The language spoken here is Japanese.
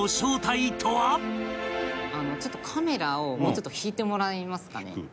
ちょっとカメラをもうちょっと引いてもらえますかね？